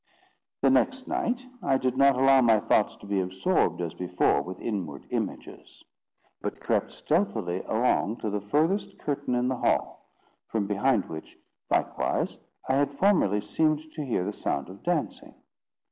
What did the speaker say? The next night, I did not allow my thoughts to be absorbed as before with inward images, but crept stealthily along to the furthest curtain in the hall, from behind which, likewise, I had formerly seemed to hear the sound of dancing.